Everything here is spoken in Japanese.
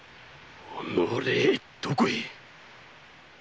おのれどこへ！